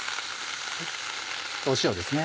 塩ですね。